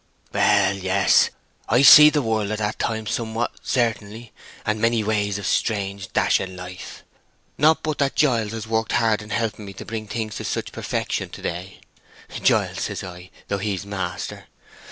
"Well, yes. I seed the world at that time somewhat, certainly, and many ways of strange dashing life. Not but that Giles has worked hard in helping me to bring things to such perfection to day. 'Giles,' says I, though he's maister.